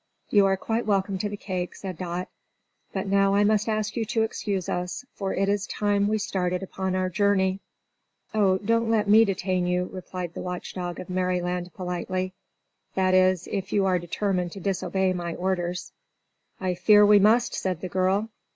"You are quite welcome to the cake," said Dot. "But now I must ask you to excuse us, for it is time we started upon our journey." "Oh, don't let me detain you," replied the Watch dog of Merryland, politely; "that is, if you are determined to disobey my orders." "I fear we must," said the girl.